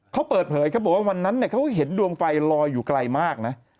เขาเปิดเผยเขาบอกว่าวันนั้นเขาเห็นดวงไฟลอยอยู่ไกลมากนะ